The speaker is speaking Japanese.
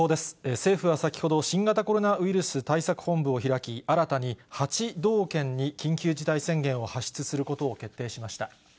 政府は先ほど、新型コロナウイルス対策本部を開き、新たに８道県に緊急事態宣言を発出することを決定しました。